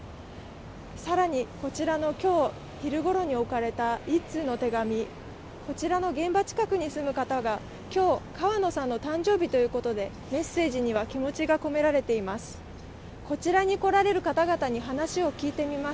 更にこちらの、今日昼ごろに置かれた１通の手紙、こちらの現場近くに住む方が今日、川野さんの誕生日ということでメッセージには気持ちが込められています。